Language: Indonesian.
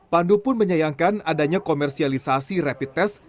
pandu pun menyayangkan adanya komersialisasi rapid test